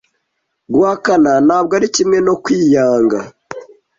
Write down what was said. Guhakana ntabwo ari kimwe no kwiyanga.